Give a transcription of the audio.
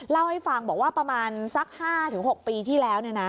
เล่าให้ฟังบอกว่าประมาณสัก๕๖ปีที่แล้ว